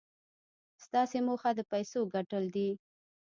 ستاسې موخه د پيسو ګټل دي.